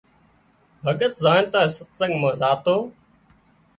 ڀڳت زانئين تانئين ستسنگ مان زاتو